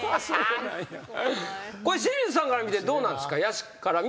清水さんから見てどうなんですか？